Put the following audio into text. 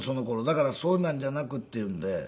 だからそんなんじゃなくっていうんで。